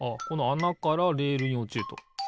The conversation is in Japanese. このあなからレールにおちると。